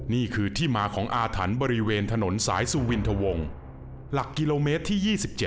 นี่คือที่มาของอาถรรพ์บริเวณถนนสายสุวินทะวงหลักกิโลเมตรที่๒๗